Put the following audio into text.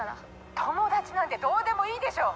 「友達なんてどうでもいいでしょ！」